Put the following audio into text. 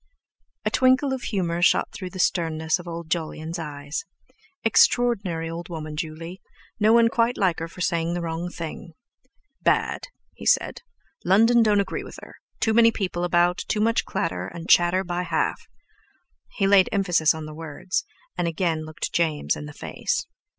A twinkle of humour shot through the sternness of old Jolyon's eyes. Extraordinary old woman, Juley! No one quite like her for saying the wrong thing! "Bad!" he said; "London don't agree with her—too many people about, too much clatter and chatter by half." He laid emphasis on the words, and again looked James in the face.